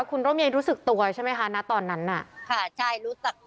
คุณร่มเย็นรู้สึกตัวใช่ไหมคะณตอนนั้นน่ะค่ะใช่รู้จัก